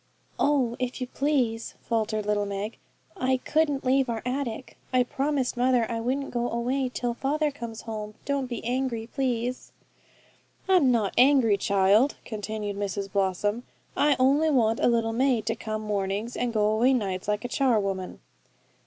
'Oh, if you please,' faltered little Meg, 'I couldn't leave our attic. I promised mother I wouldn't go away till father comes home. Don't be angry, please.' 'I'm not angry, child,' continued Mrs Blossom. 'I only want a little maid to come mornings, and go away nights, like a char woman.'